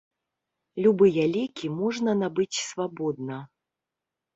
Любыя лекі можна набыць свабодна.